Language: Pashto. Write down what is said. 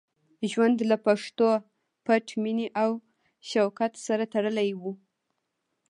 ژوند له پښتو، پت، مینې او شوکت سره تړلی وو.